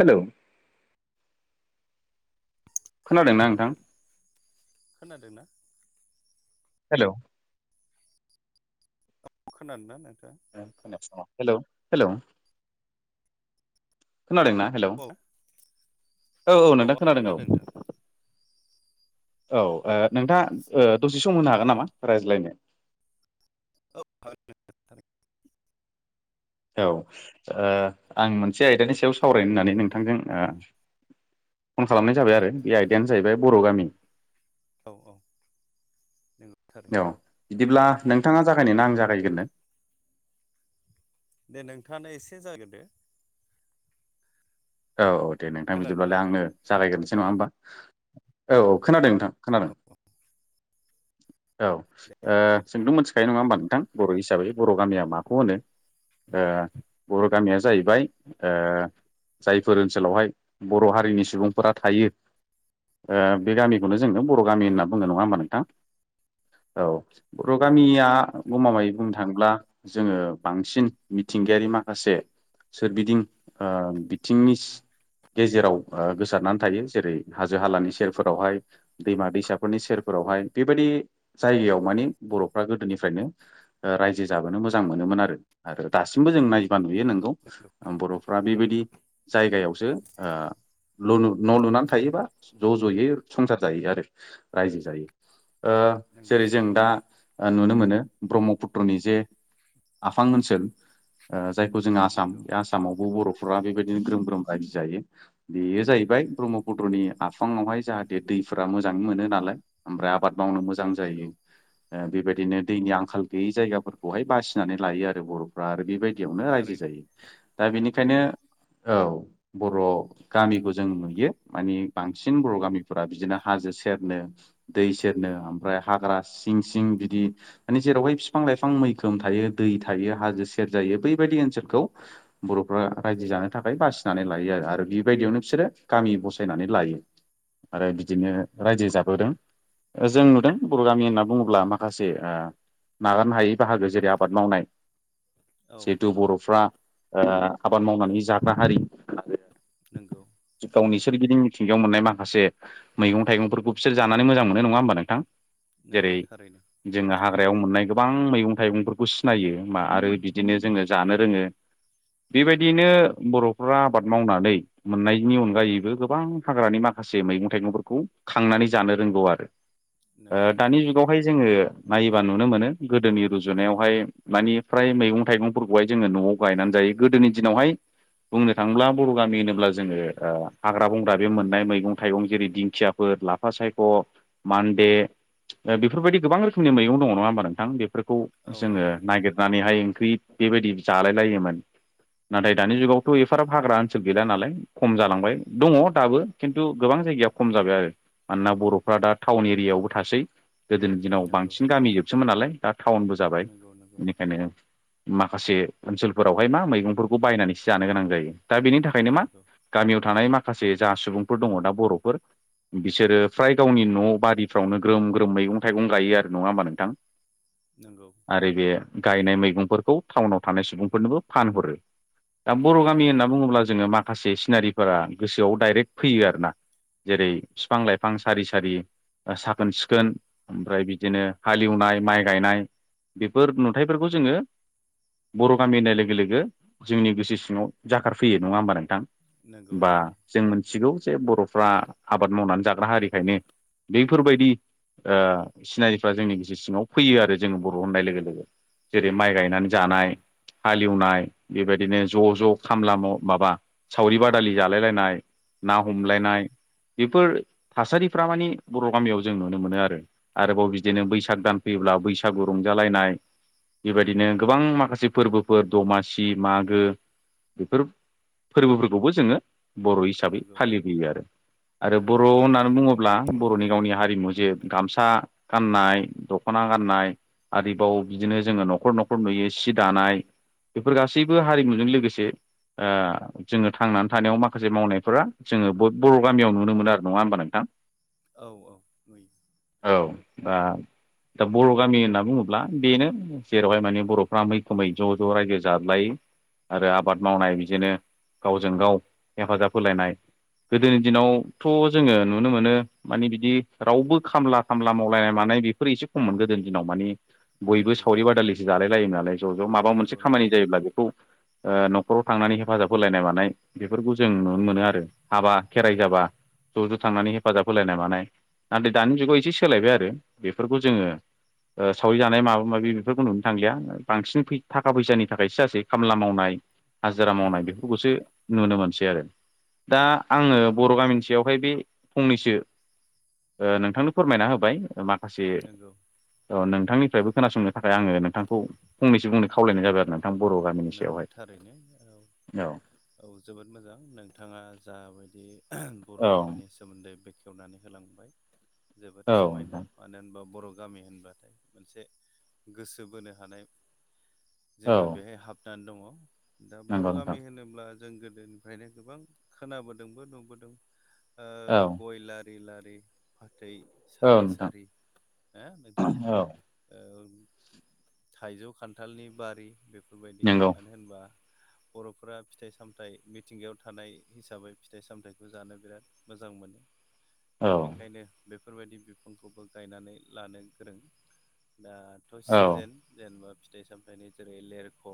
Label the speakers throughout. Speaker 1: Hello! खोनादोंना नोंथां?
Speaker 2: खोनादोंना?
Speaker 1: हेलौ!
Speaker 2: खोनादोंना नों?
Speaker 1: हेलौ-हेलौ! खोनादोंना? हेलौ!
Speaker 2: औ
Speaker 1: औ-औ
Speaker 2: औ
Speaker 1: नोंथां
Speaker 2: आंथ'
Speaker 1: खोनादों औ।
Speaker 2: नोंथां
Speaker 1: औ ओ नोंथाङा ओ‌ दसे सम होनो हागोन नामा रायज्लायनो?
Speaker 2: औ [unintelligible]
Speaker 1: औ ओ आं मोनसे आयदानि सायाव सावरायनो होननानै नोंथांजों ओ। फन खालामनाय जाबाय आरो बे आयदायानो जाहैबाय बर' गामि।
Speaker 2: औ-औ नंगौ। थारैनो
Speaker 1: औ बिदिब्ला नोंथाङा जागायनोना आं जागायग्रोनो?
Speaker 2: दे नोंथाङानो एसे जागायग्रोदो।
Speaker 1: औ-औ दे नोंथां
Speaker 2: खोनादोंना
Speaker 1: बिदिब्लालाय आंनो जागायग्रोसै
Speaker 2: औ
Speaker 1: नङा होमबा? औ-औ खोनादों नोंथां
Speaker 2: औ
Speaker 1: खोनादों।
Speaker 2: औ
Speaker 1: औ
Speaker 2: दे
Speaker 1: ओ
Speaker 2: जागाय दे
Speaker 1: जोंथ' मोनथिखायो नङा होमबा नोंथां बर' हिसाबै बर' गामिया माखौ होनो। ओ बर' गामिया जाहैबाय ओ जायफोर ओनसोलावहाय बर' हारिनि सुबुंफोरा थायो बे ओ गामिखौनो जोंनो बर' गामि
Speaker 2: औ
Speaker 1: होनना बुंनाय नङा होमबा नोंथां औ बर'
Speaker 2: नंगौ
Speaker 1: गामिया गमामायै बुंनो थाङोब्ला जोङो बांसिन मिथिंगायारि माखासे सोरगिदिं आ बिथिंनि गेजेराव आ गोसारनानै थायो जेरै हाजो हालानि सेरफोरावहाय दैमा-दैसाफोरनि सेरफोर रावहाय बेबायदि जायगायाव मानि बर'फ्रा गोदोनिफ्रायनो रायजो जाबोनो मोजां मोनो मोन आरो आरो दासिमबो जों नायबा नुयो नोंगौ
Speaker 2: नंगौ
Speaker 1: बर'फ्रा बेबायदि जायगायावसो ओ ल न' लुनानै थायोबा ज'-ज'यै संसार जायो आरो रायजो जायो। ओ
Speaker 2: नंगौ
Speaker 1: जेरै जों दा नुनो मोनो ब्रह्मपुत्रनि जे आफां ओनसोल ओ जायखौ जों आसाम
Speaker 2: नंगौ
Speaker 1: बे आसामावबो बर'फोरा बे बिनो ग्रोम ग्रोम बायदि जायो बेयो जाहैबाय ब्रह्मपुद्रनि आफाङावहाय जाहाथे दैफोरा मो जां मोनो नालाय ओमफ्राय आबाद मावनो मोजां
Speaker 2: नंगौ
Speaker 1: जायो बेबायदिनो दैनि आंखाल गैयै जायगाफोरखौहाय बासिनानै लायो आरो बर' फ्रा आरो
Speaker 2: नंगौ
Speaker 1: बेबायदियावनो रायजो
Speaker 2: थारैनो
Speaker 1: जायो दा बेनिखायनो औ बर' गामिखौ जों नुयो मानि बांसिन बर' गामिफोरा बिदिनो हाजो सेरनो दै सेरनो हाग्रा सिं सिं बिदि जेरावाय बिफां लाइफां मैखोम थायो दै थायो हाजो सेर जायो बैबायदि ओनसोलखौ बर'फ्रा रायजो जानानै थाखाय बासिनानै लायो आरो आरो बेबायदियावनो बिसोरो गामि बसायनानै लायो आरो बिदिनो रायजो जाबोदों। जों नुदों बर' गामि होनना बुङोब्ला माखासे ओ नागारनो हायै बाहागो जेरै आबाद मावनाय
Speaker 2: औ
Speaker 1: जिहेथु बर'फ्रा ओ आबाद मावनानै जाग्रा हारि
Speaker 2: नंगौ।
Speaker 1: बिसोर गिदिं मिथिंगायाव मोननाय माखासे मैगं-थाइगंफोरखौ बिसोर जानानै मोजां मोनो नङा होमबा नोंथां?
Speaker 2: नंगौ
Speaker 1: जेरै
Speaker 2: थारैनो
Speaker 1: जोङो हाग्रायाव मोननाय गोबां मैगं-थाइगंफोरखौ सिनायो आरो बिदिनो जोङो जानो रोङो बेबायदियैनो बर'फ्रा आबाद मावनानै मोननायनि अनगायैबो गोबां हाग्रानि माखासे मैगं-थाइगंफोरखौ खांनानै जानो रोंगौ आरो
Speaker 2: नंगौ
Speaker 1: दानि जुगावहाय जोङो नायोबा नुनो मोनो गोदोनि रुजुनायावहाय मानि फ्राय मैगं-थाइगंफोरखौहाय जोङो न'आव गायनानै जायो गोदोनि दिनावहाय बुंनो थाङोब्ला बर' गामि होनोब्ला जोङो ओ हाग्रा बंग्रा बे मोननाय मैगं-थाइगं जेरै दिंखियाफोर लाफा सायख' मान्दे बेफोरबायदि गोबां रोखोमनि मैगं दङ नङा होमबा नोंथां बेफोर खौ
Speaker 2: औ
Speaker 1: जोङो
Speaker 2: नंगौ
Speaker 1: नागिरनानैहाय ओंख्रि बेबायदि जालाय लायोमोन नाथाय दानि जुगाव थ' एफाराब हाग्रा ओनसोल गैला नालाय खम जालांबाय दङ दाबो खिन्थु गोबां जायगाया खम जाबाय आरो मानोना बर'फ्रा दा टाउन एरियायावबो थासै गोदोनि दिनाव बांसिन गामि जोबसोमोन नालाय दा टाउनबो जाबाय
Speaker 2: नंगौ नंगौ
Speaker 1: बेनिखायनो मा खासे ओनसोलफोरावहाय मा मैगंफोरखौ बायनानैसो जानो गोनां जायो। दा बेनि थाखायनो मा
Speaker 2: नंगौ नंगौ
Speaker 1: गामियाव थानाय माखासे जा सुबुंफोर दङ दा बर'फोर बिसोरो फ्राय गावनि न' बारिफ्रावनो ग्रोम ग्रोम मैगं-थाइगं गायो आरो नङा होमबा नोंथां
Speaker 2: नंगौ
Speaker 1: आरो बे गायनाय मैगंफोरखौ टाउनाव थानाय सुबुंफोरनोबो फानहरो दा बर' गामि होनना बुङोब्ला जोङो माखासे सिनारिफोरा गोसोआव डाइरेक्ट फैयो आरोना जेरै बिफां-लाइफां सारि सारि साखोन सिखोन ओमफ्राय बिदिनो हालेवनाय माइ गायनाय बेफोर नुथायफोरखौ जोङो बर' गामि होननाय लोगो लोगो जोंनि गोसो सिङाव जाखारफैयो नङा होमबा नोंथां?
Speaker 2: नंगौ नंगौ
Speaker 1: बा जों मिथिगौ जे बर'फ्रा आबाद मावनानै जाग्रा हारिखायनो बेफोरबायदि ओ सिनारिफ्रा जोंनि गोसो सिङाव फैयो आरो जोङो बर' होननाय लोगो लोगो। जेरै माइ गायनानै जानाय हालेवनाय बेबायदिनो ज' ज' खामला माव माबा सावरि बादालि जालायलायनाय ना
Speaker 2: औ
Speaker 1: हमलायनाय बेफोर थासारिफ्रा माने बर' गामियाव जों नुनो मोनो आरो आरोबाव बिदिनो बैसाग दान फैयोब्ला बैसागु रंजालायनाय बेबायदिनो गोबां माखासे फोरबोफोर दमासि [unintelligible] मागो बेफोर फोरबोफोरखौबो जोङो बर' हिसाबै
Speaker 2: नंगौ
Speaker 1: फालिबोयो आरो आरो
Speaker 2: नंगौ
Speaker 1: बर' होननानै
Speaker 2: थारैनो
Speaker 1: बुङोब्ला बर'नि गावनि हारिमु जे गामसा गाननाय दख'ना गाननाय आरोबाव बिदिनो जोङो न'खर न'खर नुयो सि दानाय। बेफोर गासैबो हारिमुजों लोगोसे ओ जोङो थांनानै थानायाव माखासे मावनायफोरा जोङो ब बर' गामियाव नुनो मोनो आरो नङा होमबा नोंथां?
Speaker 2: औ औ।
Speaker 1: औ दा दा बर' गामि होनना बुङोब्ला बेनो जेरावहाय माने बर'फ्रा मैखोमै ज' ज' रायजो जादलायो आरो आबाद मावनाय बिदिनो गावजों गाव हेफाजाब होलायनाय। गोदोनि दिनावथ' जोङो नुनो मोनो माने बिदि रावबो खामला खामला मावलायामोन। नाय बेफोर एसे खममोन गोदोनि दिनाव माने। बयबो
Speaker 2: नंगौ
Speaker 1: सावरि बादालिसो जालाय लायोमोन नालाय ज' ज' माबा मोनसे
Speaker 2: नंगौ
Speaker 1: खामानि
Speaker 2: नंगौ
Speaker 1: जायोब्ला बेखौ ओ न'खराव थांनानै हेफाजाब होलायनाय मानाय बेफोरखौ जों नुनो मोनो आरो हाबा खेराइ जाबा। ज' ज' थांनानै हेफाजाब होलायनाय मानाय नाथाय दानि जुगाव एसे सोलायबाय आरो बेफोरखौ जोङो ओ सावरि जानाय माबा माबि बेफोरखौ नुनो थांलिया बांसिनै फै था थाखा फैसानि थाखाय सो जासेै खामला मावनाय हाजिरा मावनाय
Speaker 2: नंगौ
Speaker 1: बेफोरखौसो नुनो मोनसै आरो। दा आङो बर' गामिनि सायावहाय बे फंनैसो ओ नोंथांनो फोरमायना होबाय मा खासे
Speaker 2: नंगौ
Speaker 1: अ नोंथांनिफ्रायबो खोनासंनो थाखाय आङो नोंथांखौ फंनैसो बुंनो खावलनाय जाबाय आरो ना।
Speaker 2: नंगौ थारैनो औ।
Speaker 1: औ
Speaker 2: औ जोबोद मोजां नोंथाङा जाबायदि बर'
Speaker 1: औ
Speaker 2: गामिनि सोमोन्दै बेखेवनानै होलांबाय। जोबोद
Speaker 1: औ
Speaker 2: समायना
Speaker 1: नोंथां
Speaker 2: मानो होनबा बर' गामि होनबाथाय मोनसे गोसो बोनो हानाय
Speaker 1: औ
Speaker 2: जोंहा बेहाय हाब नानै दङ दा बर'
Speaker 1: नंगौ नोंथां
Speaker 2: गामि होनोब्ला जों गोदोनिफ्रायनो गोबां खोनाबोदोंबो नुबोदों।
Speaker 1: औ।
Speaker 2: दै लारि लारि फाथै सारि
Speaker 1: औ नोंथां
Speaker 2: सारि ना नोंथां
Speaker 1: औ
Speaker 2: औ। थाइजौ खान्थालनि बारि बेफोरबायदि
Speaker 1: नंगौ
Speaker 2: मानो होनबा
Speaker 1: [inaudible]
Speaker 2: बर'फोरा फिथाइ सामथाइ मिथिंगायाव थानाय हिसाबै फिथाइ सामथाइखौ जानो बिराद मोजां मोनो। दा
Speaker 1: औ
Speaker 2: बेखायनो बेफोरबायदि बिफांखौबो गायनानै लानो गोरों। दाथ'
Speaker 1: औ
Speaker 2: सिजेन जेनेबा फिथाइ सामथाइनि जेरै लेरख'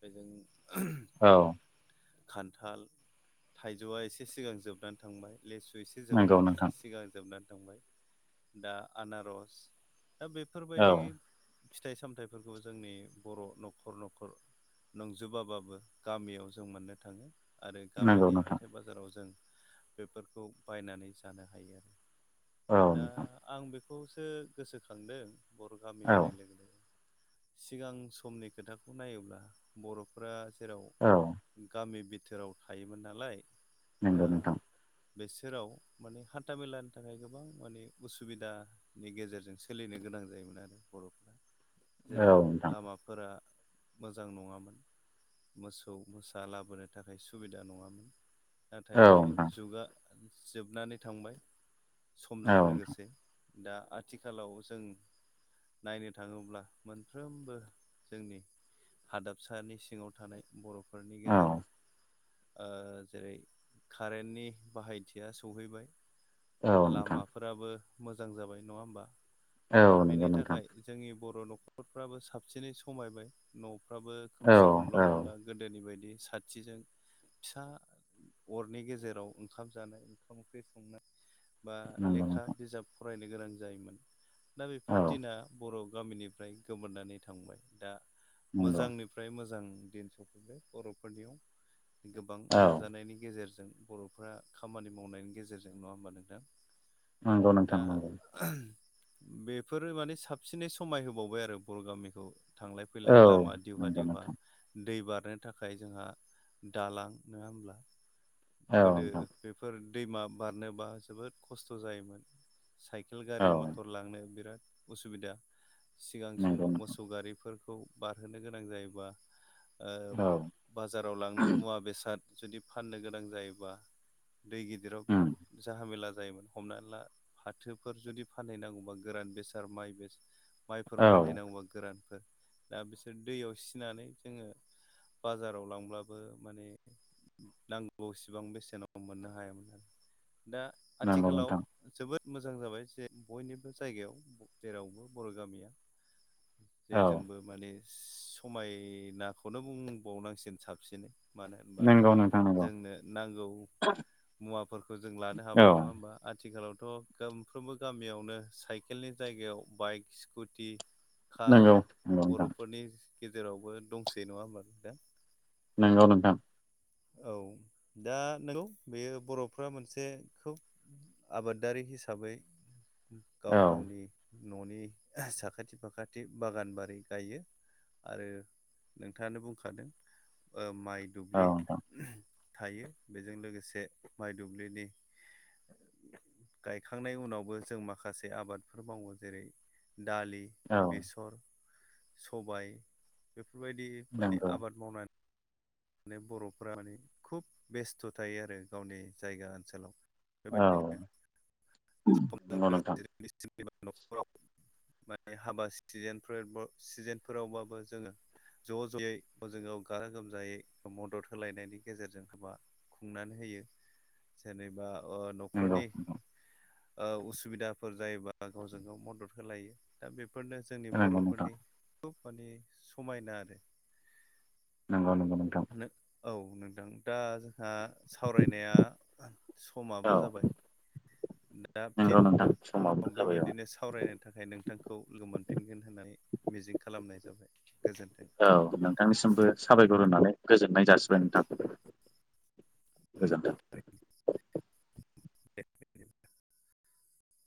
Speaker 2: बेजों
Speaker 1: औ।
Speaker 2: खान्थाल थाइजौआ एसे सिगां जोबनानै थांबाय। लेसु एसे
Speaker 1: नंगौ
Speaker 2: जोबनानै
Speaker 1: नोंथां
Speaker 2: सिगां जोबनानै थांबाय दा आनारस दा
Speaker 1: औ
Speaker 2: बेफोरबायदि फिथाइ सामथाइफोरखौ जोंनि बर' न'खर न'खर नंजोबाबाबो गामियाव जों मोननो थाङो आरो
Speaker 1: नंगौ
Speaker 2: गामिनि
Speaker 1: नोंथां
Speaker 2: हाथाय बाजाराव जों बेफोरखौ बायनानै जानो हायो आरो
Speaker 1: औ
Speaker 2: दा
Speaker 1: नोंथां
Speaker 2: आं बे खौसो गोसोखांदों बर' गामि
Speaker 1: औ
Speaker 2: होननाय लोगो लोगो सिगां समनि खोथाखौ नायोब्ला बर'फोरा राव
Speaker 1: औ
Speaker 2: गामि बिथोराव थायोमोन नालाय
Speaker 1: नगौ
Speaker 2: दा
Speaker 1: नोंथां।
Speaker 2: बेसोराव माने हान्थामेलानि थाखाय गोबां माने उसुबिदानि गेजेरजों सोलिनो गोनां गोनां जायोमोन आरो बर'फोरा
Speaker 1: औ
Speaker 2: जेराव
Speaker 1: नोंथां
Speaker 2: लामाफोरा मोजां मोजां नङामोन मोसौ मोसा लाबोनो थाखाय सुबिदा नङामोन। नाथाय
Speaker 1: औ
Speaker 2: बे
Speaker 1: नोंथां
Speaker 2: जुगा जोबनानै थांबाय समजों
Speaker 1: औ नोंथां
Speaker 2: लोगोसे दा आथिखालाव जों नायनो थाङोब्ला मोनफ्रोमबो जोंनि हादाबसानि सिङाव थानाय बर'फोरनि
Speaker 1: औ
Speaker 2: गेजेराव ओ जेरै कारेन्टनि बाहायथिया सौहैबाय
Speaker 1: औ नोंथां
Speaker 2: लामाफोराबो मोजां जाबाय नङा होमबा
Speaker 1: औ
Speaker 2: दा
Speaker 1: नंगौ
Speaker 2: बेनि
Speaker 1: नोंथां
Speaker 2: थाखाय जोंनि बर' न'खरफ्राबो साबसिनै समायबाय न'फ्राबो
Speaker 1: औ
Speaker 2: खोमसि
Speaker 1: औ
Speaker 2: खोमलाव नंला गोदोनि बायदि साथिजों फिसा अरनि गेजेराव ओंखाम जानाय ओंखाम ओंख्रि संनाय बा
Speaker 1: नंगौ
Speaker 2: लेखा बिजाब फरायनो गोनां जायोमोन दा
Speaker 1: औ
Speaker 2: बेफोर दिना बर' गामिनिफ्राय गोमोरनानै थांबाय दा
Speaker 1: नंगौ
Speaker 2: मोजांनिफ्राय मोजां दिन सफैबाय बर'फोरनियाव गोबां
Speaker 1: औ
Speaker 2: नाजानायनि गेजेरजों बर'फ्रा खामानि मावनायनि गेजेरजों नङा होमबा नोंथां?
Speaker 1: नंगौ
Speaker 2: दा
Speaker 1: नोंथां नंगौ।
Speaker 2: बेफोरो माने साबसिनै समाय होबावबाय आरो बर' गामिखौ थांलाय
Speaker 1: औ
Speaker 2: फैलाय लामा दिवहा
Speaker 1: नंगौ
Speaker 2: दिउहा
Speaker 1: नोंथां
Speaker 2: दै बार खारनो थाखाय जोंहा दालां नङा हब्ला
Speaker 1: औ
Speaker 2: गोदो
Speaker 1: नोंथां
Speaker 2: बेफोर दैमा बारनोबा जोबोद खस्थ' जायोमोन साइकेल गारि
Speaker 1: औ
Speaker 2: मथर थांनो बिराद उसुबिदा सिगां
Speaker 1: नंगौ
Speaker 2: समाव
Speaker 1: नोंथां
Speaker 2: मोसौ गारि खौ बारहोनो गोनां जायोबा
Speaker 1: औ
Speaker 2: बाजाराव लांनो मुवा बेसाद जुदि फाननो गोनां जायोबा दै गिदिराव
Speaker 1: उम
Speaker 2: बिराद जाहामेला जायोन हमना ला फाथोफोर जुदि फानहैनांगौबा गोरान बेसाद माइ बेसाद माइफोर
Speaker 1: औ
Speaker 2: फानहैनांगौबा गोरानफोर दा बिसोर दैयाव सिनानै जोङो बाजाराव लांब्लाबो माने नांगौसिबां बेसेनाव मोननो हायामोन आरो। दा
Speaker 1: नंगौ
Speaker 2: आथिखालाव
Speaker 1: नोंथां
Speaker 2: जोबोद मोजां जाबाय जे बयनिबो जायगायाव जेरावबो बर' गामिया जे
Speaker 1: औ
Speaker 2: जोंबो माने समायनाखौनो बुंबावनांसिगोन साबसिनै मानो होनबा
Speaker 1: नंगौ नोंथां नंगौ
Speaker 2: जोंनो नांगौ मुवाफोरखौ जों लानो
Speaker 1: औ
Speaker 2: हाबाय नङा होमबा आथिखालाव थ' गोमफ्रोमबो गामियावनो साइकेलनि जायगायाव बाइक स्कुटि कार
Speaker 1: नंगौ नंगौ नोंथां।
Speaker 2: बर'फोरनि गेजेरावबो दंसै नङा होनबाल दा?
Speaker 1: नंगौ नोंथां।
Speaker 2: औ दा नंगौ बेयो बर'फ्रा मोनसे खोब आबादारि हिसाबै
Speaker 1: औ
Speaker 2: गाव गावनि न'नि साखाथि फाखाथि बागान बारि गायो। आरो नोंथाङानो बुंखादों माइ
Speaker 1: औ
Speaker 2: दुब्लि
Speaker 1: नोंथां
Speaker 2: थायो बेजों लोगोसे माइ दुब्लिनि गायखांनायनि उनावबो जों माखासे आबादफोर मावो जेरै दालि
Speaker 1: औ
Speaker 2: बेसर सबाय बेफोरबायदि माने
Speaker 1: नंगौ
Speaker 2: आबाद मावनानै माने बर'फ्रा माने खुब बेस्थ' थायो आरो गावनि जायगा ओनसोलाव बेबादिनो
Speaker 1: नोंगौ नोंथां।
Speaker 2: न'खराव माने हाबा सिथिनफोर सिजेनफोरावबाबो जोङो ज' ज'यै जोङो गाजा गोमजायै मदद होलायनायनि गेजेरजों होबा खुंनानै होयो जेनेबा ओ
Speaker 1: नंगौ
Speaker 2: न'खरनि उसुबिदाफोर जायोबा गावजों गाव मदद होलायो दा बे फोरनो जोंनि
Speaker 1: नंगौ नोंथां
Speaker 2: बर'फोरनि खुब माने समायना आरो।
Speaker 1: नंगौ नंगौ नोंथां।
Speaker 2: औ नोंदां दा सावरायनाया
Speaker 1: औ
Speaker 2: समाबो जाबाय। दा
Speaker 1: नंगौ
Speaker 2: फिन
Speaker 1: नोंथां
Speaker 2: उनाव
Speaker 1: समाबो जाबाय औ
Speaker 2: बेबायदिनो सावरायनो थाखाय नोंथांखौ लोगो मोनफिनगोन होननानै मिजिं खालामनाय जाबाय। गोजोन्थों
Speaker 1: औ नोंथांनिसिमबो साबायखर होनानै गोजोननाय जासिबाय नोंथां। गोजोन्थों।
Speaker 2: नोंगौ [inaudible]